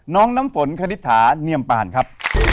น้ำฝนคณิตถาเนียมปานครับ